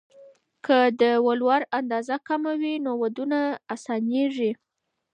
که د ولور اندازه کمه وي، نو ودونه اسانېږي.